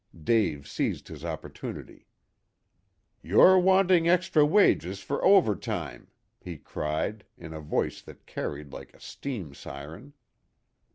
Dave seized his opportunity. "You're wanting extra wages for overtime," he cried, in a voice that carried like a steam siren.